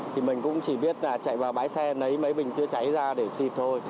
thì mình cũng chỉ biết là chạy vào bãi xe lấy mấy bình chữa cháy ra để xịt thôi